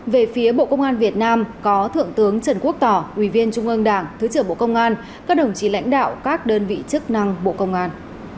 về phía bộ công an việt nam có thượng tướng trần quốc tỏ ủy viên trung ương đảng thứ trưởng bộ công an các đồng chí lãnh đạo các đơn vị chức năng bộ công an